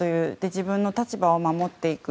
自分の立場を守っていく。